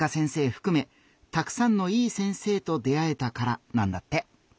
ふくめたくさんのいい先生と出会えたからなんだって。